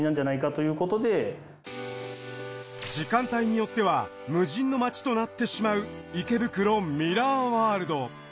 時間帯によっては無人の街となってしまう池袋ミラーワールド。